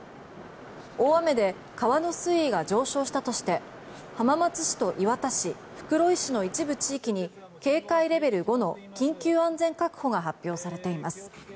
大雨で川の水位が上昇したとして浜松市と磐田市、袋井市の一部地域に警戒レベル５の緊急安全確保が発表されています。